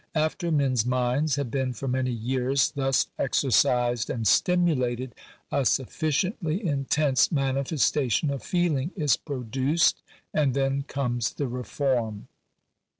After men's minds have been for many years thus exercised and stimulated, a sufficiently intense manifesta tion of feeling is produced, and then comes the reform.